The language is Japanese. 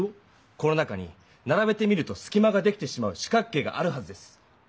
この中にならべてみるとすきまができてしまう四角形があるはずです。